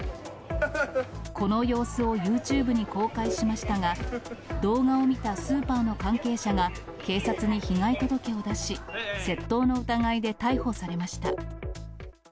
この様子をユーチューブに公開しましたが、動画を見たスーパーの関係者が、警察に被害届を出し、窃盗の疑いで逮捕されました。